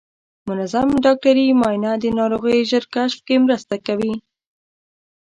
منظم ډاکټري معاینه د ناروغیو ژر کشف کې مرسته کوي.